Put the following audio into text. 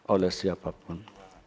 oleh siapa pun